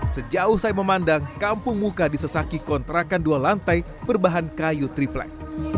sejauh saya memandang kampung muka disesaki kontrakan dua lantai berbahan kayu triplek